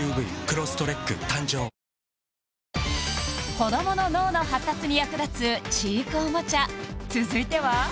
子どもの脳の発達に役立つ知育おもちゃ続いては？